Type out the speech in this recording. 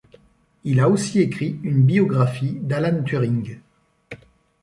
Il a aussi écrit une biographie d'Alan Turing.